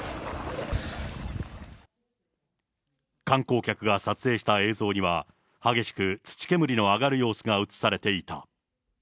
観光客が撮影した映像には、激しく土煙の上がる様子が映されていた。